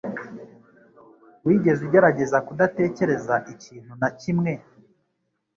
Wigeze ugerageza kudatekereza ikintu na kimwe?